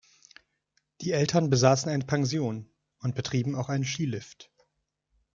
Die Eltern besaßen eine Pension und betrieben auch einen Skilift.